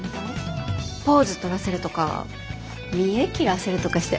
ポーズ取らせるとか見得切らせるとかして。